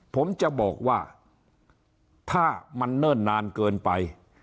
ผมจะบอกว่าถ้ามันเนิ่นนานเกินไป